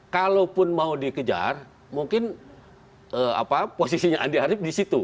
kalaupun mau dikejar mungkin posisinya andi arief di situ